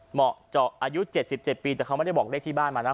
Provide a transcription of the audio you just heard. เหมาะเจาะอายุ๗๗ปีแต่เขาไม่ได้บอกเลขที่บ้านมานะ